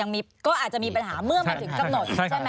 อันนี้ก็อาจจะมีปัญหาเมื่อมาถึงกำหนด